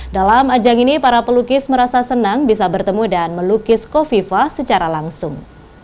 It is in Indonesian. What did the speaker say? dalam ajang ini para pelukis merasa senang bisa bertemu dan melukis kofifa secara langsung